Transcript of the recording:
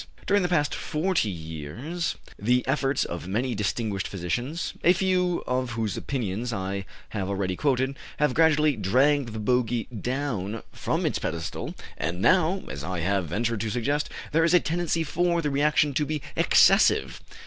During the past forty years the efforts of many distinguished physicians a few of whose opinions I have already quoted have gradually dragged the bogy down from its pedestal, and now, as I have ventured to suggest, there is a tendency for the reaction to be excessive.